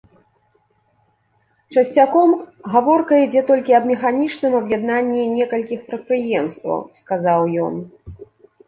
Часцяком гаворка ідзе толькі аб механічным аб'яднанні некалькіх прадпрыемстваў, сказаў ён.